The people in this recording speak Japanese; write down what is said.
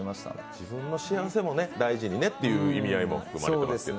自分の幸せも大事にねという意味合いも含まれて。